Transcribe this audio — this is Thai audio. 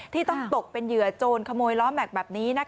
ที่ต้องตกเป็นเหยื่อโจรขโมยล้อแม็กซ์แบบนี้